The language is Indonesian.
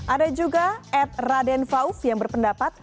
ada juga at raden fauv yang berpendapat